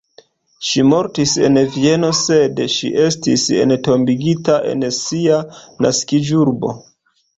Ŝi mortis en Vieno, sed ŝi estis entombigita en sia naskiĝurbo.